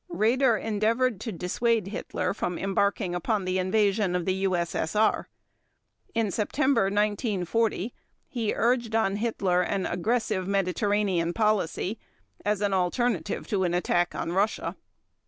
Raeder endeavored to dissuade Hitler from embarking upon the invasion of the U.S.S.R. In September 1940 he urged on Hitler an aggressive Mediterranean policy as an alternative to an attack on Russia.